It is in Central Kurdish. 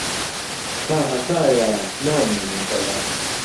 تاھەتایە نامێنێتەوە.